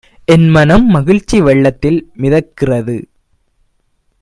என் மனம் மகிழ்ச்சி வெள்ளத்தில் மிதக்கிறது!